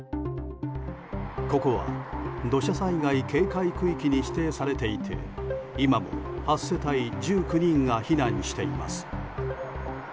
ここは土砂災害警戒区域に指定されていて今も８世帯１９人が避難しています。